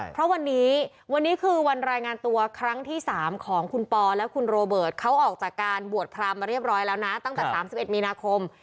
เพราะวันนี้วันนี้คือวันรายงานตัวครั้งที่๓ของคุณปอและคุณโรเบิร์ตเขาออกจากการบวชพรามมาเรียบร้อยแล้วนะตั้งแต่๓๑มีนาคม